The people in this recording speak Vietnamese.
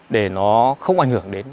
để nó không ảnh hưởng đến